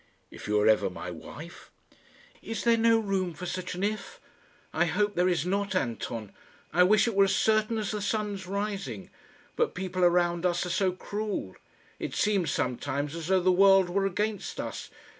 "If you are ever my wife?" "Is there no room for such an if? I hope there is not, Anton. I wish it were as certain as the sun's rising. But people around us are so cruel! It seems, sometimes, as though the world were against us.